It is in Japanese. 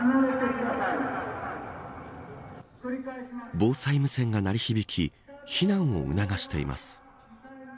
防災無線が鳴り響き避難を促しています。